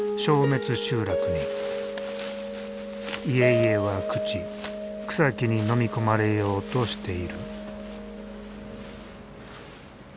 家々は朽ち草木にのみ込まれようとしている。